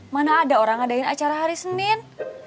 mana ada orang ngadain acara hari senin